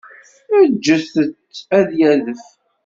Ǧǧet-t ad d-yadef.